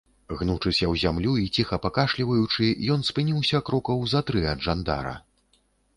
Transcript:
Гнучыся ў зямлю і ціха пакашліваючы, ён спыніўся крокаў за тры ад жандара.